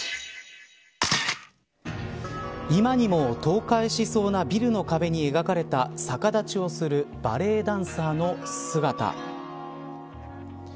今にも倒壊しそうなビルの壁に描かれた逆立ちをするバレエダンサーの姿。